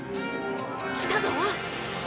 来たぞ！